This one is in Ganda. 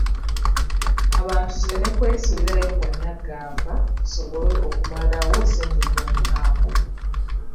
Abantu tuleme kwesuulirayo gwa nnagamba tusobola okumalawo ssenyiga omukambwe